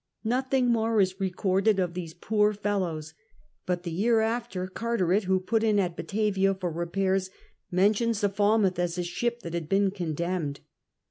Nothing more is recorded of these poor follows ; but the year after, Carteret^ who put in at Batavia for repairs, mentions the Falmmth as a ship that had been condemned.